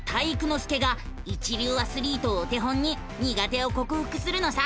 介が一流アスリートをお手本に苦手をこくふくするのさ！